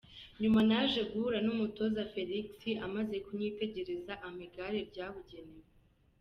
Nyuma naje guhura n’umutoza Felix amaze kunyitegereza ampa igare ryabugenewe.